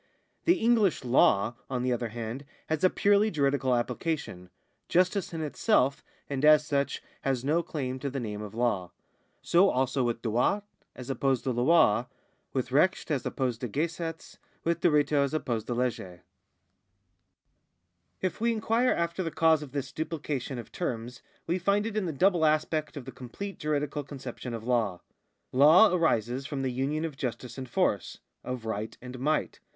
The English law, on the other hand, has a purely juridical application ; justice in itself, and as such, has no claim to the name of law. So also wth droit as opposed to lot, with recht as opposed to gesetz, with diritto as opposed to legge. 457 458 APPENDIX I If we inquire after the cause of this dupUcation of terms we find it in the double aspect of the complete juridical conception of law. Law arises from the union of justice and force, of right and might.